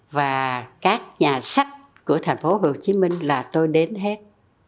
và các nhà sách của thành phố hồ chí minh là tôi đến hết